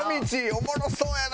おもろそうやな！